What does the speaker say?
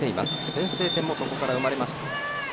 先制点もそこから生まれました。